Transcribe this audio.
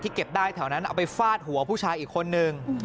เก็บได้แถวนั้นเอาไปฟาดหัวผู้ชายอีกคนนึง